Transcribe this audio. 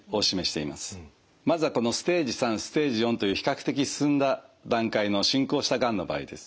まずはこのステージ３ステージ４という比較的進んだ段階の進行したがんの場合です。